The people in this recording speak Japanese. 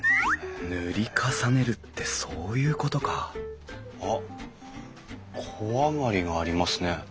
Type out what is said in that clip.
塗り重ねるってそういうことかあっ小上がりがありますね。